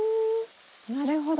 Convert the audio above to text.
なるほど。